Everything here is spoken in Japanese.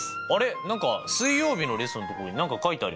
何か水曜日の列のところに何か書いてありません？